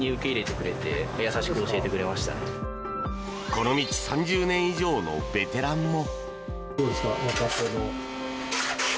この道３０年以上のベテランも。